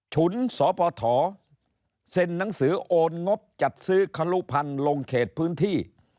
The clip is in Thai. ฉุนสปฐเซ็นหนังสือโอนงบจัดซื้อคลุพันธ์ลงเขตพื้นที่